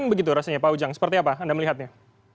begitu rasanya pak ujang seperti apa anda melihatnya